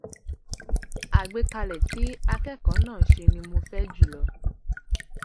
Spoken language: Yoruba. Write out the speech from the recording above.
Àgbékalè tí akẹ́kọ̀ọ́ náà ṣe ni mo fẹ́ jùlọ.